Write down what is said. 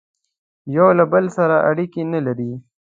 یوه له بل سره اړیکي نه لري